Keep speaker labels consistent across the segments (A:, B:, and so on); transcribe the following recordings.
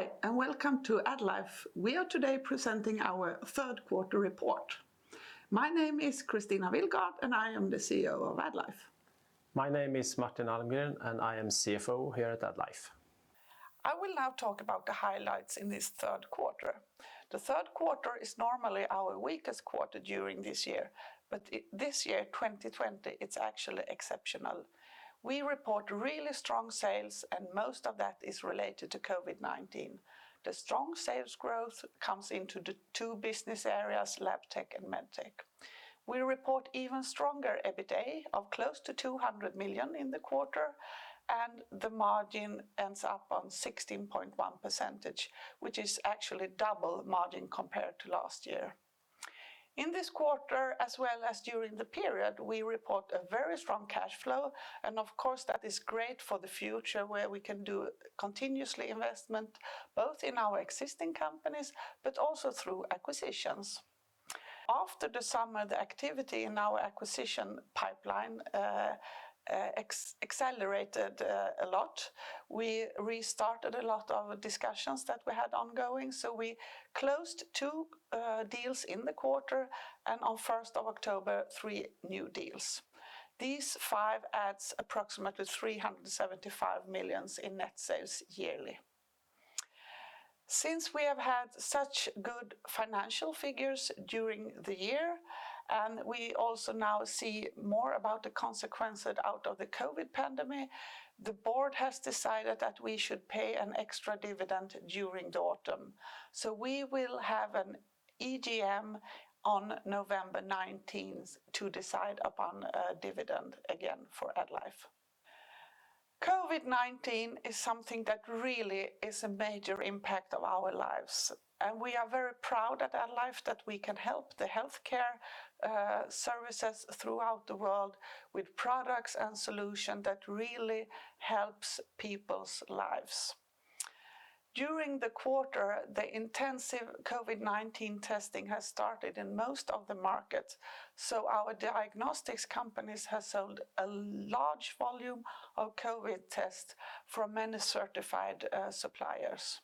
A: Hi, and welcome to AddLife. We are today presenting our third quarter report. My name is Kristina Willgård, and I am the CEO of AddLife.
B: My name is Martin Almgren, and I am CFO here at AddLife.
A: I will now talk about the highlights in this third quarter. The third quarter is normally our weakest quarter during this year. This year, 2020, it's actually exceptional. We report really strong sales, and most of that is related to COVID-19. The strong sales growth comes into the two business areas, Labtech and Medtech. We report even stronger EBITA of close to 200 million in the quarter, and the margin ends up on 16.1%, which is actually double margin compared to last year. In this quarter as well as during the period, we report a very strong cash flow, and of course, that is great for the future, where we can do continuously investment both in our existing companies, but also through acquisitions. After the summer, the activity in our acquisition pipeline accelerated a lot. We restarted a lot of discussions that we had ongoing. We closed two deals in the quarter, and on 1st of October, three new deals. These five adds approximately 375 million in net sales yearly. We have had such good financial figures during the year, and we also now see more about the consequences out of the COVID-19 pandemic, the board has decided that we should pay an extra dividend during the autumn. We will have an EGM on November 19th to decide upon a dividend again for AddLife. COVID-19 is something that really is a major impact of our lives, and we are very proud at AddLife that we can help the healthcare services throughout the world with products and solution that really helps people's lives. During the quarter, the intensive COVID-19 testing has started in most of the markets, so our diagnostics companies have sold a large volume of COVID-19 tests from many certified suppliers.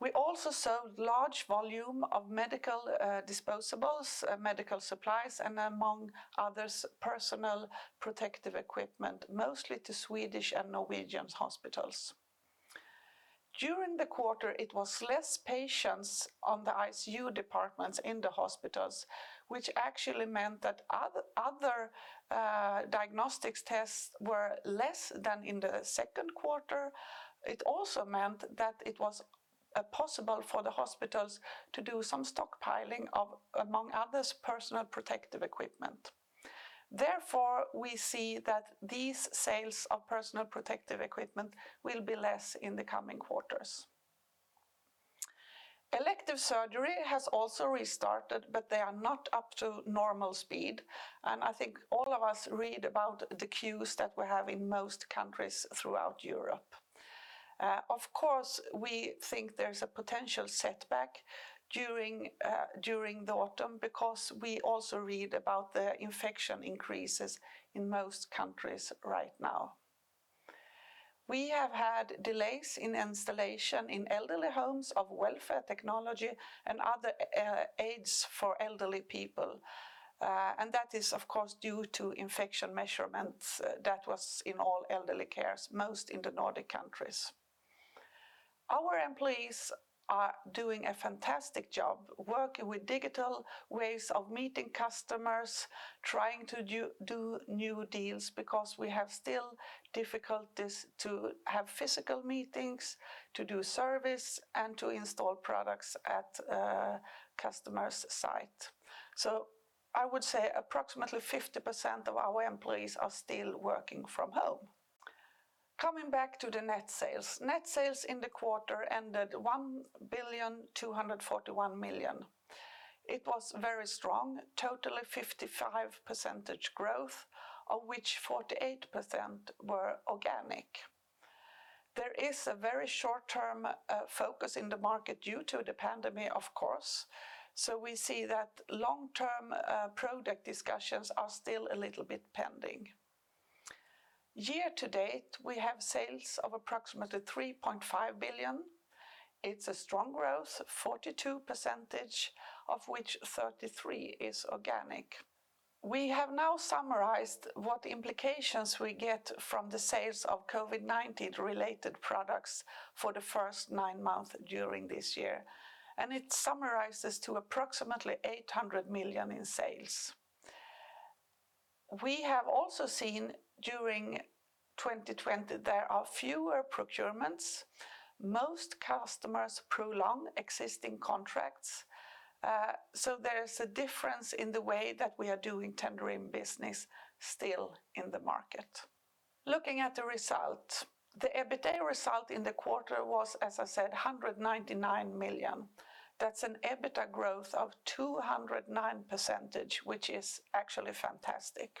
A: We also sold large volume of medical disposables, medical supplies, and among others, personal protective equipment, mostly to Swedish and Norwegian hospitals. During the quarter, it was less patients on the ICU departments in the hospitals, which actually meant that other diagnostics tests were less than in the second quarter. It also meant that it was possible for the hospitals to do some stockpiling of, among others, personal protective equipment. Therefore, we see that these sales of personal protective equipment will be less in the coming quarters. Elective surgery has also restarted, but they are not up to normal speed, and I think all of us read about the queues that we have in most countries throughout Europe. Of course, we think there's a potential setback during the autumn because we also read about the infection increases in most countries right now. We have had delays in installation in elderly homes of welfare technology and other aids for elderly people. That is, of course, due to infection measurements that was in all elderly cares, most in the Nordic countries. Our employees are doing a fantastic job working with digital ways of meeting customers, trying to do new deals because we have still difficulties to have physical meetings, to do service, and to install products at a customer's site. I would say approximately 50% of our employees are still working from home. Coming back to the net sales. Net sales in the quarter ended 1 billion 241 million. It was very strong. Totally 55% growth, of which 48% were organic. There is a very short-term focus in the market due to the pandemic, of course. We see that long-term product discussions are still a little bit pending. Year to date, we have sales of approximately 3.5 billion. It's a strong growth, 42%, of which 33% is organic. We have now summarized what implications we get from the sales of COVID-19 related products for the first nine months during this year. It summarizes to approximately 800 million in sales. We have also seen during 2020, there are fewer procurements. Most customers prolong existing contracts. There is a difference in the way that we are doing tendering business still in the market. Looking at the result. The EBITA result in the quarter was, as I said, 199 million. That's an EBITA growth of 209%, which is actually fantastic.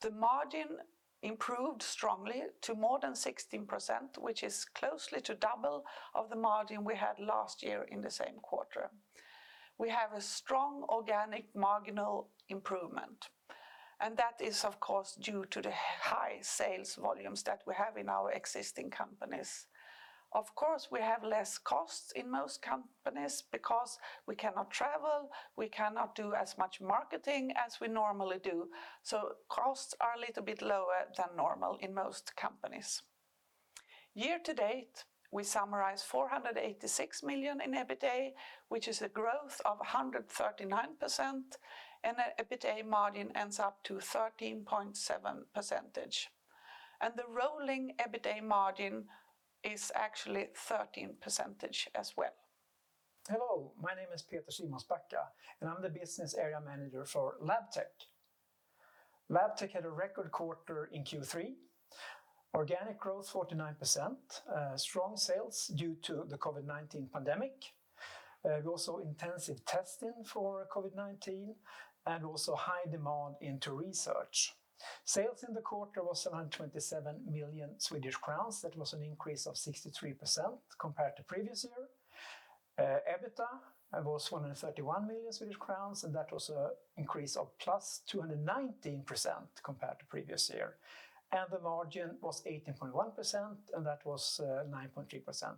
A: The margin improved strongly to more than 16%, which is closely to double of the margin we had last year in the same quarter. We have a strong organic marginal improvement, and that is, of course, due to the high sales volumes that we have in our existing companies. Of course, we have less costs in most companies because we cannot travel, we cannot do as much marketing as we normally do. Costs are a little bit lower than normal in most companies. Year to date, we summarize 486 million in EBITA, which is a growth of 139%, and the EBITA margin ends up to 13.7%. The rolling EBITA margin is actually 13% as well.
C: Hello, my name is Peter Simonsbacka, and I'm the Business Area Manager for Labtech. Labtech had a record quarter in Q3. Organic growth 49%, strong sales due to the COVID-19 pandemic. We also intensive testing for COVID-19 and also high demand into research. Sales in the quarter was around 27 million Swedish crowns. That was an increase of 63% compared to previous year. EBITA was 131 million Swedish crowns, and that was an increase of plus 219% compared to previous year. The margin was 18.1%, and that was 9.3%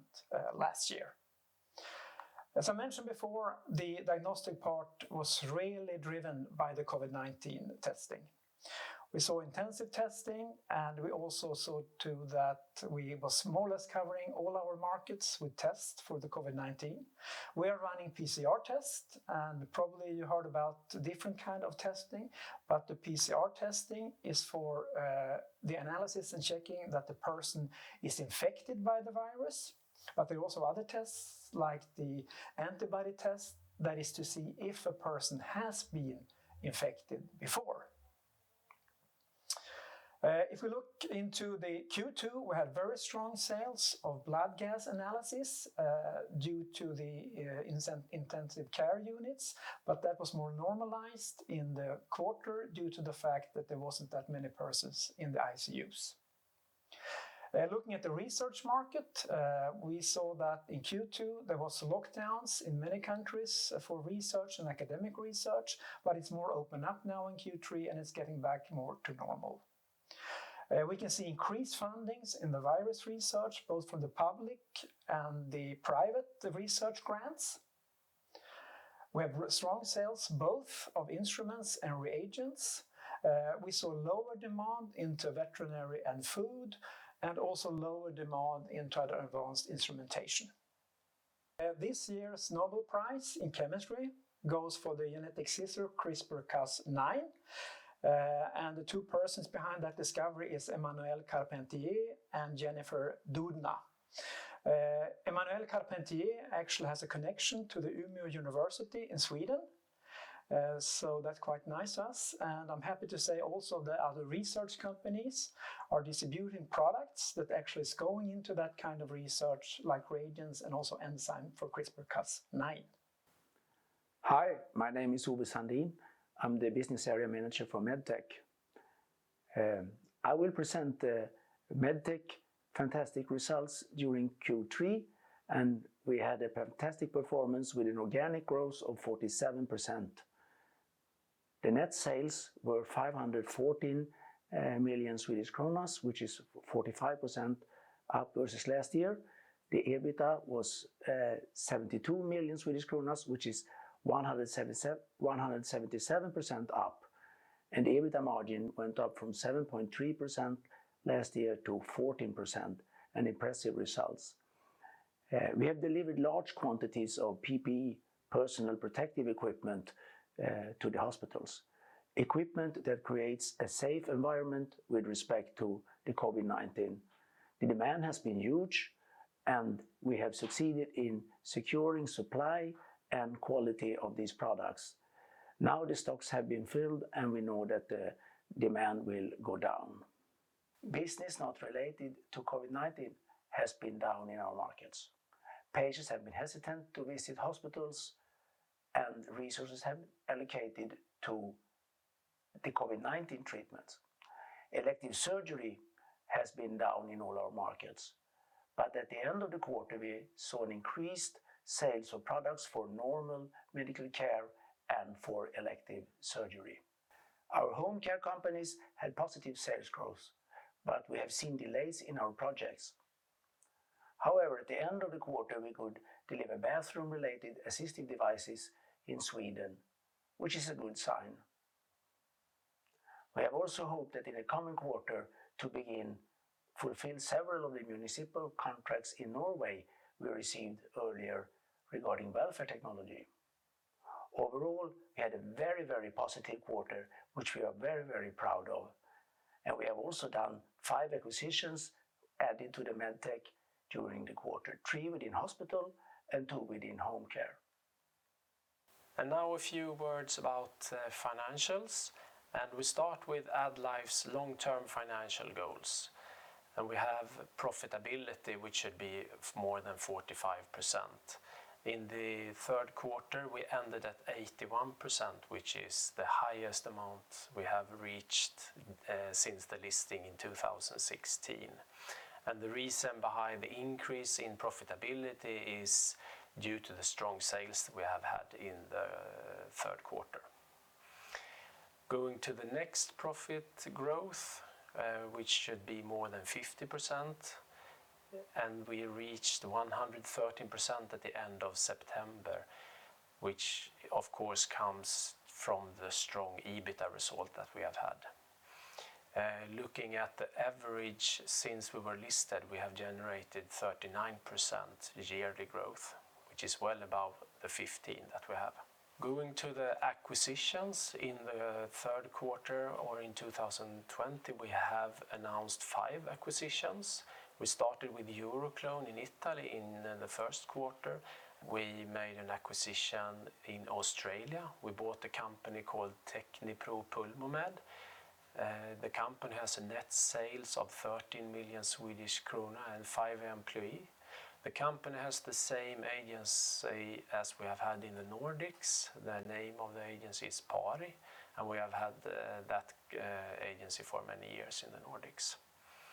C: last year. As I mentioned before, the diagnostic part was really driven by the COVID-19 testing. We saw intensive testing, and we also saw, too, that we were more or less covering all our markets with tests for the COVID-19. We are running PCR tests. Probably you heard about different kind of testing, the PCR testing is for the analysis and checking that the person is infected by the virus. There are also other tests, like the antibody test, that is to see if a person has been infected before. If we look into the Q2, we had very strong sales of blood gas analysis due to the intensive care units. That was more normalized in the quarter due to the fact that there wasn't that many persons in the ICUs. Looking at the research market, we saw that in Q2 there was lockdowns in many countries for research and academic research. It's more opened up now in Q3, it's getting back more to normal. We can see increased fundings in the virus research, both from the public and the private research grants. We have strong sales, both of instruments and reagents. We saw lower demand into veterinary and food, also lower demand into the advanced instrumentation. This year's Nobel Prize in chemistry goes for the genetic scissor CRISPR-Cas9. The two persons behind that discovery is Emmanuelle Charpentier and Jennifer Doudna. Emmanuelle Charpentier actually has a connection to the Umeå University in Sweden, so that's quite nice. I'm happy to say also the other research companies are distributing products that actually is going into that kind of research, like reagents and also enzyme for CRISPR-Cas9.
D: Hi, my name is Ove Sandin. I'm the Business Area Manager for Medtech. I will present the Medtech fantastic results during Q3. We had a fantastic performance with an organic growth of 47%. The net sales were 514 million Swedish kronor, which is 45% up versus last year. The EBITA was 72 million Swedish kronor, which is 177% up. The EBITA margin went up from 7.3% last year to 14%, an impressive results. We have delivered large quantities of PPE, personal protective equipment, to the hospitals, equipment that creates a safe environment with respect to the COVID-19. The demand has been huge, and we have succeeded in securing supply and quality of these products. Now the stocks have been filled, and we know that the demand will go down. Business not related to COVID-19 has been down in our markets. Patients have been hesitant to visit hospitals, and resources have allocated to the COVID-19 treatments. Elective surgery has been down in all our markets. At the end of the quarter, we saw an increased sales of products for normal medical care and for elective surgery. Our home care companies had positive sales growth, but we have seen delays in our projects. However, at the end of the quarter, we could deliver bathroom-related assistive devices in Sweden, which is a good sign. We have also hoped that in the coming quarter to begin fulfill several of the municipal contracts in Norway we received earlier regarding welfare technology. Overall, we had a very positive quarter, which we are very proud of. We have also done five acquisitions added to the Medtech during the quarter, three within hospital and two within home care.
B: Now a few words about financials, we start with AddLife's long-term financial goals. We have profitability, which should be more than 45%. In the third quarter, we ended at 81%, which is the highest amount we have reached since the listing in 2016. The reason behind the increase in profitability is due to the strong sales that we have had in the third quarter. Going to the next profit growth, which should be more than 50%. We reached 113% at the end of September, which of course, comes from the strong EBITA result that we have had. Looking at the average since we were listed, we have generated 39% yearly growth, which is well above the 15 that we have. Going to the acquisitions in the third quarter or in 2020, we have announced five acquisitions. We started with EuroClone in Italy in the first quarter. We made an acquisition in Australia. We bought a company called TechniPro PulmoMed. The company has net sales of 13 million Swedish krona and five employees. The company has the same agency as we have had in the Nordics. The name of the agency is PARI. We have had that agency for many years in the Nordics.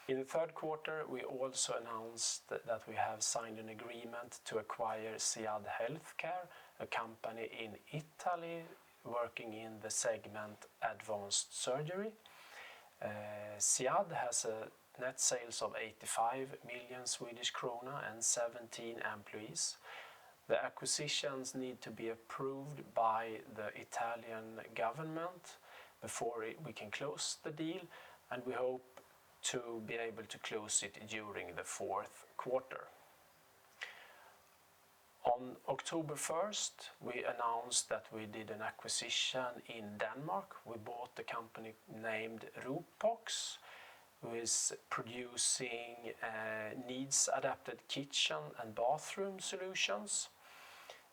B: In the third quarter, we also announced that we have signed an agreement to acquire SIAD Healthcare, a company in Italy working in the segment advanced surgery. SIAD has net sales of 85 million Swedish krona and 17 employees. The acquisitions need to be approved by the Italian government before we can close the deal. We hope to be able to close it during the fourth quarter. On October 1st, we announced that we did an acquisition in Denmark. We bought a company named Ropox, who is producing needs-adapted kitchen and bathroom solutions.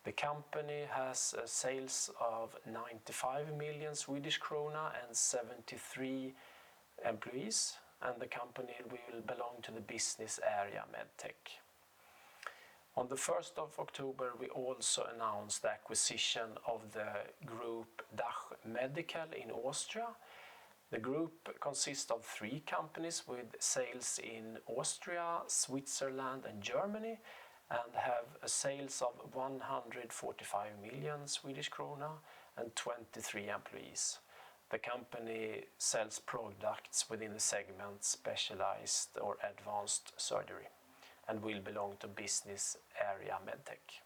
B: The company has sales of 95 million Swedish krona and 73 employees, and the company will belong to the business area Medtech. On the 1st of October, we also announced the acquisition of the group DACH Medical in Austria. The group consists of three companies with sales in Austria, Switzerland, and Germany, and have sales of 145 million Swedish krona and 23 employees. The company sells products within the segment specialized or advanced surgery and will belong to business area Medtech.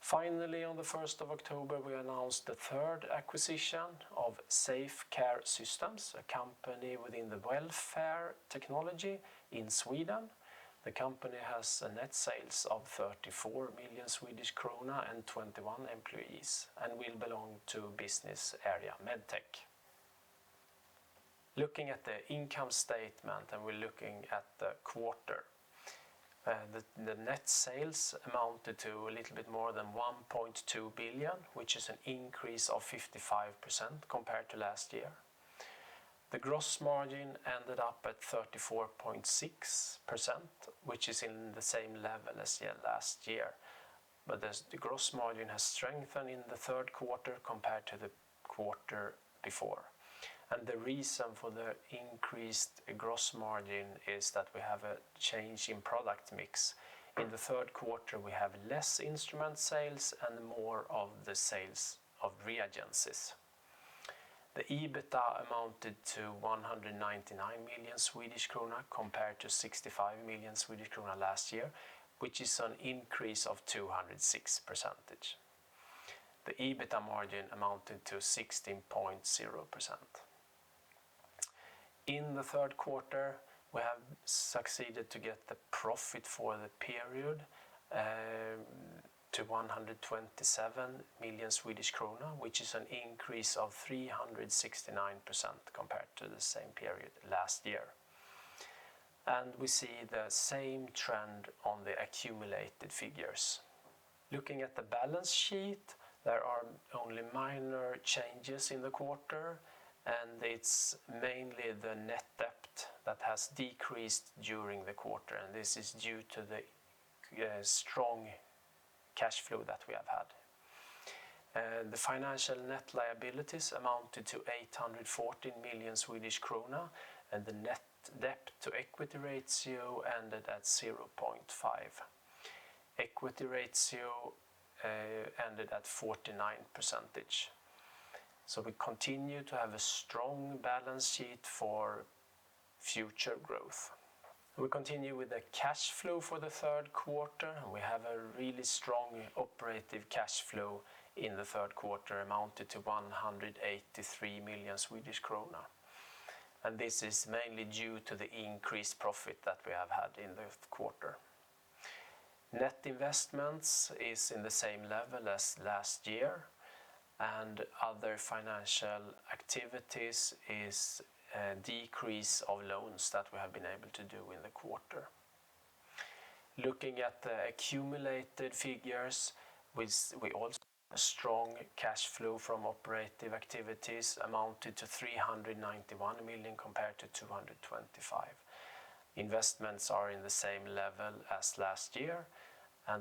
B: Finally, on the 1st of October, we announced the third acquisition of Zafe Care Systems, a company within the welfare technology in Sweden. The company has net sales of 34 million Swedish krona and 21 employees and will belong to business area Medtech. Looking at the income statement, and we're looking at the quarter. The net sales amounted to a little bit more than 1.2 billion, which is an increase of 55% compared to last year. The gross margin ended up at 34.6%, which is in the same level as last year. The gross margin has strengthened in the third quarter compared to the quarter before. The reason for the increased gross margin is that we have a change in product mix. In the third quarter, we have less instrument sales and more of the sales of reagents. The EBITA amounted to 199 million Swedish krona compared to 65 million Swedish krona last year, which is an increase of 206%. The EBITA margin amounted to 16.0%. In the third quarter, we have succeeded to get the profit for the period to 127 million Swedish krona, which is an increase of 369% compared to the same period last year. We see the same trend on the accumulated figures. Looking at the balance sheet, there are only minor changes in the quarter, it's mainly the net debt that has decreased during the quarter. This is due to the strong cash flow that we have had. The financial net liabilities amounted to 814 million Swedish krona, the net debt to equity ratio ended at 0.5. Equity ratio ended at 49%. We continue to have a strong balance sheet for future growth. We continue with the cash flow for the third quarter. We have a really strong operative cash flow in the third quarter, amounted to 183 million Swedish krona. This is mainly due to the increased profit that we have had in the quarter. Net investments is in the same level as last year. Other financial activities is a decrease of loans that we have been able to do in the quarter. Looking at the accumulated figures, we also have a strong cash flow from operative activities amounted to 391 million compared to 225 million. Investments are in the same level as last year.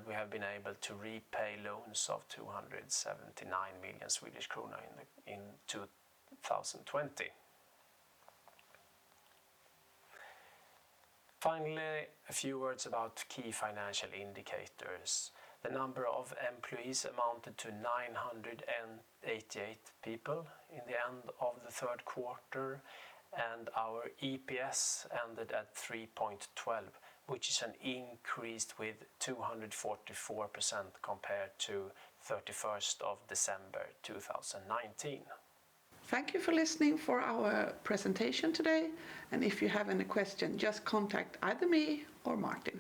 B: We have been able to repay loans of 279 million Swedish kronor in 2020. A few words about key financial indicators. The number of employees amounted to 988 people in the end of the third quarter. Our EPS ended at 3.12, which is an increase with 244% compared to 31st of December 2019.
A: Thank you for listening for our presentation today, and if you have any question, just contact either me or Martin.